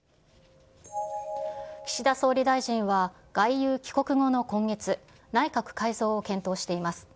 岸田総理大臣は、外遊帰国後の今月、内閣改造を検討しています。